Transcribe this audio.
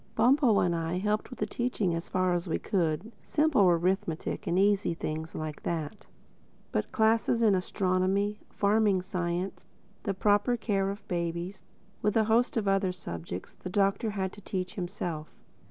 Bumpo and I helped with the teaching as far as we could—simple arithmetic, and easy things like that. But the classes in astronomy, farming science, the proper care of babies, with a host of other subjects, the Doctor had to teach himself.